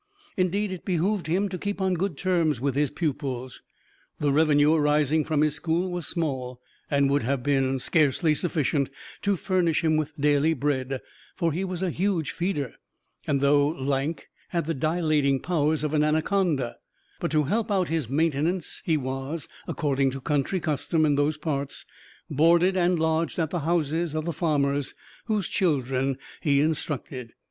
Indeed, it behooved him to keep on good terms with his pupils. The revenue arising from his school was small, and would have been scarcely sufficient to furnish him with daily bread, for he was a huge feeder, and, though lank, had the dilating powers of an anaconda; but to help out his maintenance, he was, according to country custom in those parts, boarded and lodged at the houses of the farmers whose children he instructed.